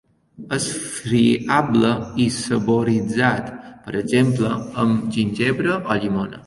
És friable i saboritzat, per exemple, amb gingebre o llimona.